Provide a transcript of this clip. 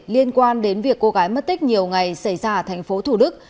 liên quan đến việc cô gái mất tích nhiều ngày xảy ra ở tp thủ đức